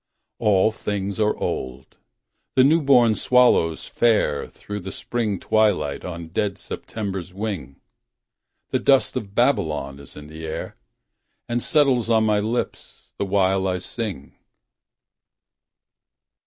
All things are old. The new born swallows fare Through the Spring twilight on dead September's wing. The dust of Babylon is in the air. And settles on my lips the while I sing.